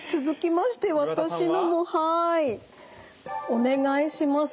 お願いします。